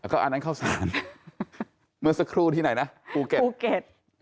ก็อันนั้นข้าวสารเมื่อสัครึ้งที่ไหนนะภูเกรต